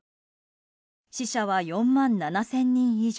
死者は４万７０００人以上。